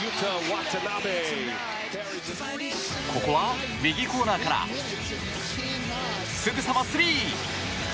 ここは右コーナーからすぐさま、スリー！